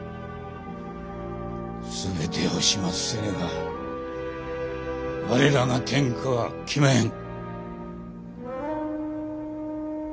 すべてを始末せねば我らが天下は来まへん。